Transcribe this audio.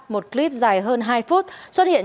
một clip dài hơn hai phút xuất hiện